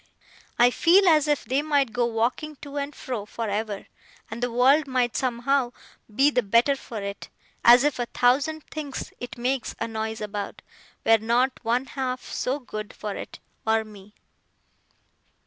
I feel as if they might go walking to and fro for ever, and the world might somehow be the better for it as if a thousand things it makes a noise about, were not one half so good for it, or me.